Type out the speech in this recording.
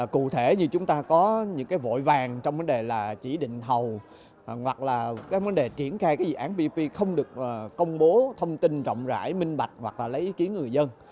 cụ thể như chúng ta có những vội vàng trong vấn đề chỉ định thầu hoặc là vấn đề triển thay dự án ppp không được công bố thông tin rộng rãi minh bạch hoặc là lấy ý kiến người dân